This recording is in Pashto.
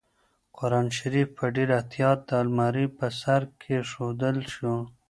قرانشریف په ډېر احتیاط د المارۍ په سر کېښودل شو.